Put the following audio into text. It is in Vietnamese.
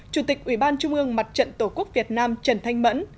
chủ tịch ủy ban trung ương mặt trận tổ quốc việt nam trần thanh mẫn